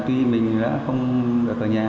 tuy mình đã không ở nhà